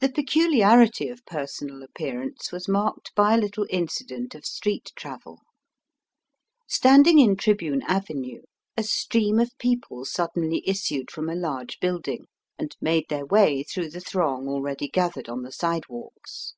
The peculiarity of personal appearance was marked hy a little incident of street travel. Standing in Tribune Avenue, a stream of people suddenly issued from a large building, and made their way through the throng already gathered on the side walks.